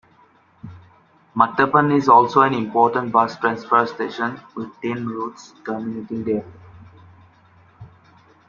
Mattapan is also an important bus transfer station, with ten routes terminating there.